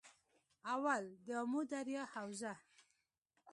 اول- دآمو دریا حوزه